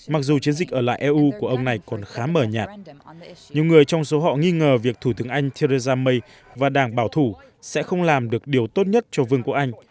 mặc dù chiến dịch ở lại eu của ông này còn khá mờ nhạt nhiều người trong số họ nghi ngờ việc thủ tướng anh theresa may và đảng bảo thủ sẽ không làm được điều tốt nhất cho vương quốc anh